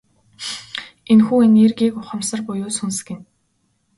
Энэхүү энергийг ухамсар буюу сүнс гэнэ.